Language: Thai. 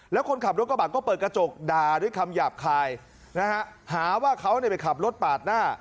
แล้วคนขับรถกระบะก็เปิดกระจกด่าด้วยคำหยาบคายนะฮะหาว่าเขาไปขับรถปาดหน้า